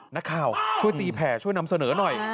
นักข่าวช่วยตีแผ่ช่วยนำเสนอหน่อย